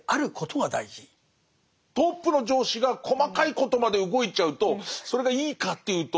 トップの上司が細かいことまで動いちゃうとそれがいいかっていうとあんま良くないですもんね。